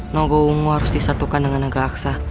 nogowungu harus disatukan dengan naga aksa